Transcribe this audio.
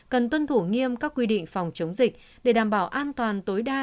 cần tuân thủ nghiêm các quy định phòng chống dịch để đảm bảo an toàn tối đa